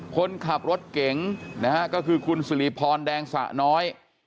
คนขับรถเก๋งนะฮะก็คือคุณสิริพรแดงสะน้อย